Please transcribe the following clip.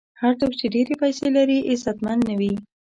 هر څوک چې ډېرې پیسې لري، عزتمن نه وي.